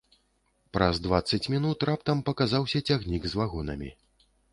Праз дваццаць мінут раптам паказаўся цягнік з вагонамі.